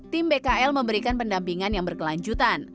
tim bkl memberikan pendampingan yang berkelanjutan